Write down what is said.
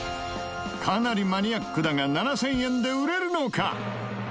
かなりマニアックだが７０００円で売れるのか？